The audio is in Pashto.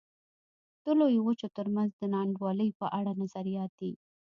د لویو وچو ترمنځ د نا انډولۍ په اړه نظریات دي.